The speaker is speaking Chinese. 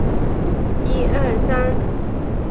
喀喇昆仑公路经过此地。